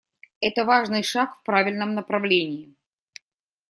Это важный шаг в правильном направлении.